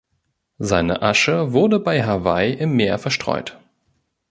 Seine Asche wurde bei Hawaii im Meer verstreut.